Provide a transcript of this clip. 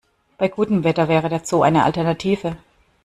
Bei gutem Wetter wäre der Zoo eine Alternative.